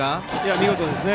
見事ですね。